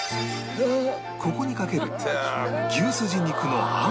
ここにかける牛すじ肉のあんは